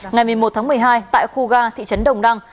ngày một mươi một tháng một mươi hai tại khu ga thị trấn đồng đăng